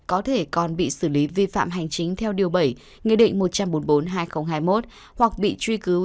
có thể còn bị xử lý vi phạm hành chính theo điều bảy nghị định một trăm bốn mươi bốn hai nghìn hai mươi một hoặc bị truy cứu